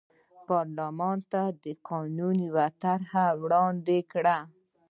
پارلمان ته د قانون یوه طرحه وړاندې کړه.